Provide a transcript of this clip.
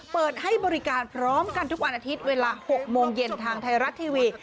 เปิดให้บริการพร้อมกันทุกวันอาทิตย์เวลา๖โมงเย็นทางไทยรัฐทีวี